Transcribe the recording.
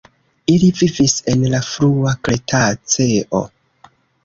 Ili vivis en la frua kretaceo.